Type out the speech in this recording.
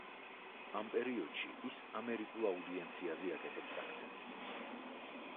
ამ პერიოდში ის ამერიკულ აუდიენციაზე აკეთებს აქცენტს.